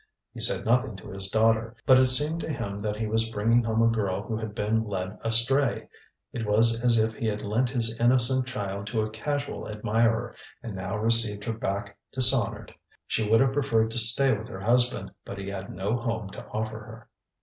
He said nothing to his daughter, but it seemed to him that he was bringing home a girl who had been led astray. It was as if he had lent his innocent child to a casual admirer and now received her back ŌĆ£dishonoured. ŌĆØ She would have preferred to stay with her husband, but he had no home to offer her.